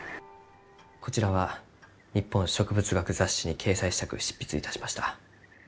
こちらは「日本植物学雑誌」に掲載したく執筆いたしました。